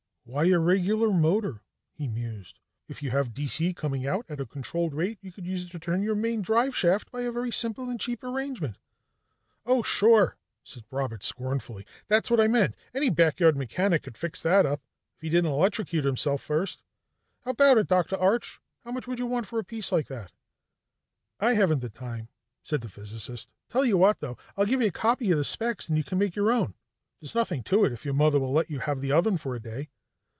"Why a regular motor?" he mused. "If you have D.C. coming out at a controlled rate, you could use it to turn your main drive shaft by a very simple and cheap arrangement." "Oh, sure," said Robert scornfully. "That's what I meant. Any backyard mechanic could fix that up if he didn't electrocute himself first. But how about it, Dr. Arch? How much would you want for a piece like that?" "I haven't the time," said the physicist. "Tell you what, though, I'll give you a copy of the specs and you can make your own. There's nothing to it, if your mother will let you have the oven for a day.